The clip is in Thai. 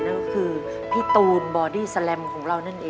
ก็คือพี่ตูนบอร์นี่